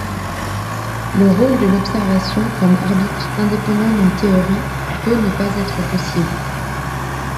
Le rôle de l'observation comme arbitre indépendant d'une théorie peut ne pas être possible.